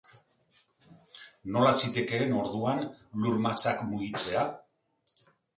Nola zitekeen, orduan, lur-masak mugitzea?